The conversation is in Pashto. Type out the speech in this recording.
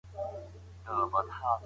تاسو څه ډول څېړنه کوئ؟